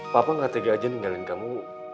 papa gak tega aja ninggalin kamu